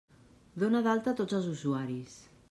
Dona d'alta tots els usuaris!